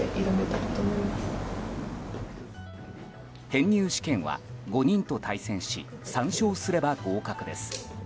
編入試験は、５人と対戦し３勝すれば合格です。